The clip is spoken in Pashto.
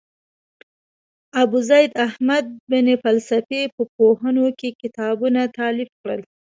ابوزید احمد بن فلسفي په پوهنو کې کتابونه تالیف کړل.